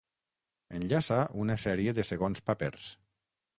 Enllaça una sèrie de segons papers.